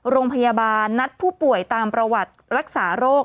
โรงพยาบาลนัดผู้ป่วยตามประวัติรักษาโรค